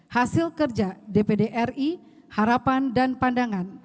hasil kerja dpd ri harapan dan pandangan